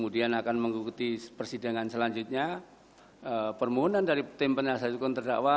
di persidangan selanjutnya permohonan dari tim penasehat hukum terdakwa